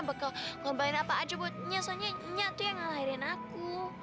bakal ngobain apa aja buat nya soalnya nya tuh yang ngalahirin aku